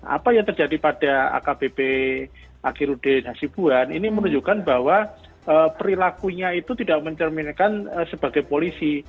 apa yang terjadi pada akbp akirudin hasibuan ini menunjukkan bahwa perilakunya itu tidak mencerminkan sebagai polisi